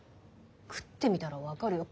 「食ってみたら分かるよ。